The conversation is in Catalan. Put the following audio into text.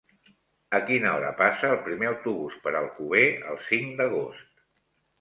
A quina hora passa el primer autobús per Alcover el cinc d'agost?